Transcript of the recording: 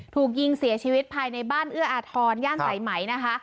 ถูกยิงเสียชีวิตภายในบ้านเอื้ออาทรย่านสายไหมนะคะ